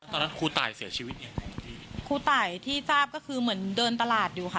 ครูตายเสียชีวิตไงครูตายที่ทราบก็คือเหมือนเดินตลาดอยู่ค่ะ